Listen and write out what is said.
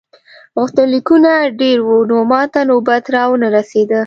غوښتنلیکونه ډېر وو نو ماته نوبت را ونه رسیده.